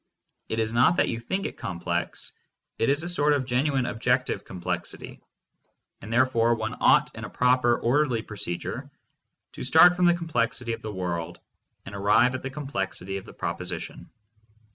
It is not that you think it complex, it is a sort of genuine objective complexity, and therefore one ought in a proper, orderly procedure to start from the complexity of the world and arrive at the complexity of the proposition.